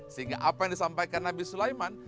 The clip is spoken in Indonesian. sehingga apa yang disampaikan nabi sulaiman